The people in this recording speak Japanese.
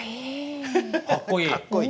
かっこいい？